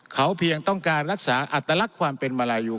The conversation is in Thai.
เขาเพียงต้องการรักษาอัตลักษณ์ความเป็นมาลายู